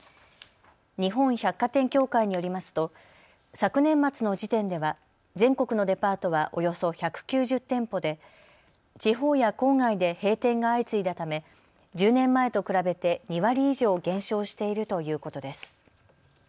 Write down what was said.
日本百貨店協会によりますと昨年末の時点では全国のデパートはおよそ１９０店舗で地方や郊外で閉店が相次いだため１０年前と比べて２割以上減少しているということです。